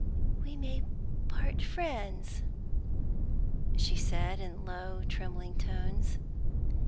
"We may part friends," she said, in low, trembling tones.